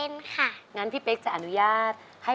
ไม่ใช่